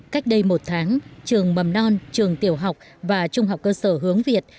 cách đây một tháng trường mầm non trường tiểu học và trung học cơ sở hướng việt